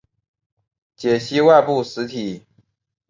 解析外部实体。